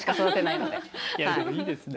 いやでもいいですね。